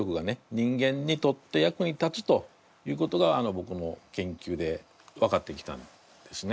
人間にとって役に立つということがぼくも研究で分かってきたんですね。